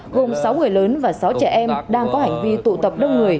gồm sáu người lớn và sáu trẻ em đang có hành vi tụ tập đông người